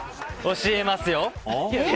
教えますよ！